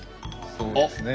そうですね。